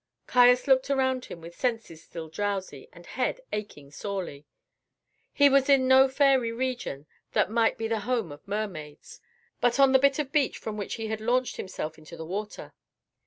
Caius looked around him with senses still drowsy and head aching sorely. He was in no fairy region that might be the home of mermaids, but on the bit of beach from which he had launched himself into the water.